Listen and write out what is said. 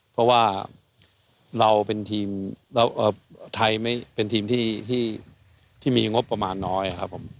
เพราะว่าเราเป็นทีมแล้วไทยเป็นทีมที่มีงบประมาณน้อยครับผม